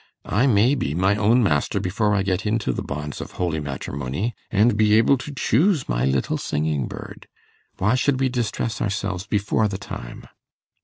I may be my own master before I get into the bonds of holy matrimony, and be able to choose my little singing bird. Why should we distress ourselves before the time?